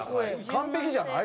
完璧じゃない？